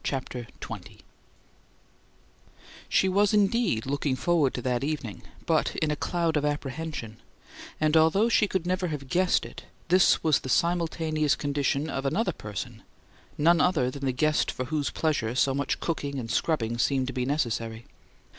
CHAPTER XX She was indeed "looking forward" to that evening, but in a cloud of apprehension; and, although she could never have guessed it, this was the simultaneous condition of another person none other than the guest for whose pleasure so much cooking and scrubbing seemed to be necessary.